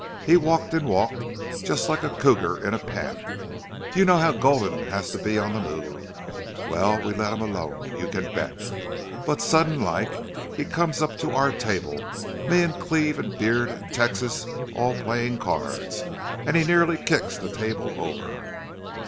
He walked an' walked just like a cougar in a pen. You know how Gulden has to be on the move. Well, we let him alone, you can bet. But suddenlike he comes up to our table me an' Cleve an' Beard an' Texas was playin' cards an' he nearly kicks the table over.